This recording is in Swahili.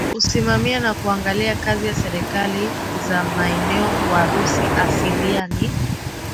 kusimamia na kuangalia kazi ya serikali za maeneo Warusi asilia ni